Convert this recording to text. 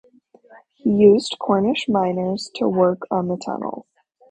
He used Cornish miners to work on the tunnel.